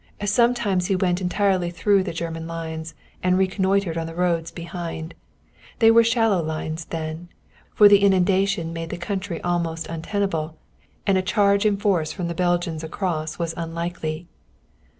Sometimes he went entirely through the German lines, and reconnoitered on the roads behind. They were shallow lines then, for the inundation made the country almost untenable, and a charge in force from the Belgians across was unlikely.